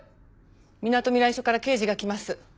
みなとみらい署から刑事が来ます。